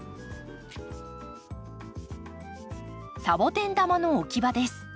サボテン玉の置き場です。